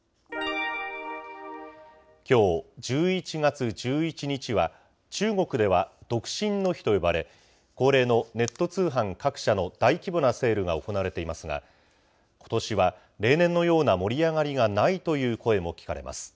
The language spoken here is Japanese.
きょう１１月１１日は、中国では独身の日と呼ばれ、恒例のネット通販各社の大規模なセールが行われていますが、ことしは例年のような盛り上がりがないという声も聞かれます。